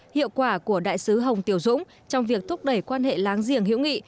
hiệu quả của đại sứ hồng tiểu dũng trong việc thúc đẩy quan hệ láng giềng hữu nghị